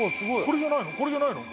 これじゃないの？